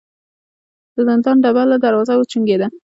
د زندان ډبله دروازه وچونګېده.